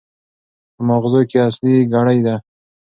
په ماغزو کې اصلي ګړۍ ده.